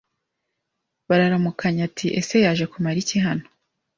”.Bararamukanya.Ati ese yaje kumara iki hano